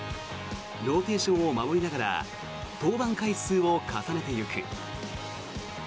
ローテーションを守りながら登板回数を重ねていく。